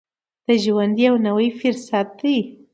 د ژوند یو نوی فرصت دی.